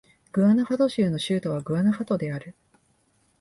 グアナフアト州の州都はグアナフアトである